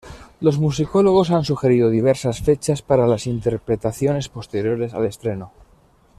Los musicólogos han sugerido diversas fechas para las interpretaciones posteriores al estreno.